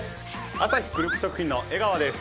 アサヒグループ食品の江川です。